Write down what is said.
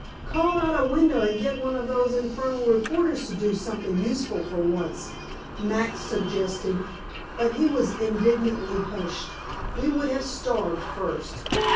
"Call out of a window, and get one of those infernal reporters to do something useful for once," Max suggested. But he was indignantly hushed. We would have starved first.